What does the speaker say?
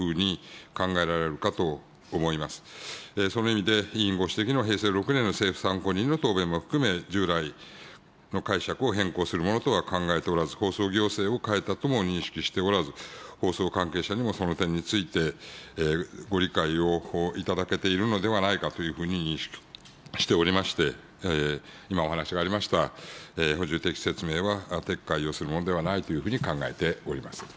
その意味で、委員ご指摘の、平成６年の政府参考人の答弁も含め、従来の解釈を変更するものとは考えておらず、放送行政を変えたとも認識しておらず、放送関係者にもその点について、ご理解を頂けているのではないかというふうに認識しておりまして、今、お話がありました、補充的説明は撤回をするものではないというふうに考えております。